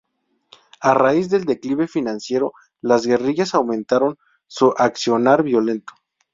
A raíz del declive financiero, las guerrillas aumentaron su accionar violento.